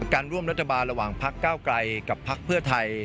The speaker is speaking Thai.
การร่วมรัฐบาลระหว่างพักเก้าไกลกับพักเพื่อไทย